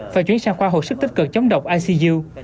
và chuyến sang khoa học sức tích cực chống độc icu